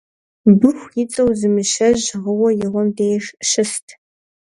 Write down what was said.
Быху ицӀэу зы мыщэжь гъыуэ и гъуэм деж щыст